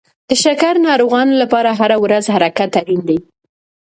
د شکر ناروغانو لپاره هره ورځ حرکت اړین دی.